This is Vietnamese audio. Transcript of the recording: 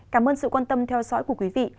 cảm ơn sự quan tâm theo dõi của quý vị